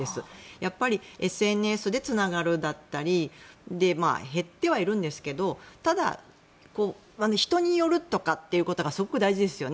やっぱりＳＮＳでつながるだったり減ってはいるんですけどただ、人によるとかということがすごく大事ですよね。